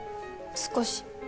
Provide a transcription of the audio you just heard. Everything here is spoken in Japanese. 少し。